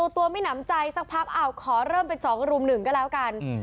ตัวไม่หนำใจสักพักขอเริ่มเป็น๒รุ่มหนึ่งก็แล้วกัน